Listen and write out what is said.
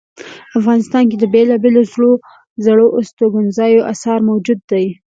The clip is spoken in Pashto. افغانستان کې د بیلابیلو زړو استوګنځایونو آثار موجود دي